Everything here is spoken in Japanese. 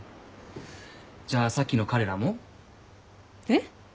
じゃあさっきの彼らも？えっ？